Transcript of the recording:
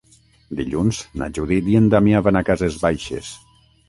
Dilluns na Judit i en Damià van a Cases Baixes.